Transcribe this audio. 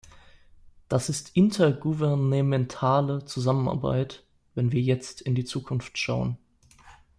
Das ist intergouvernementale Zusammenarbeit, wenn wir jetzt in die Zukunft schauen.